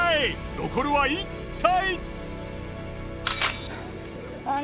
残るは１体。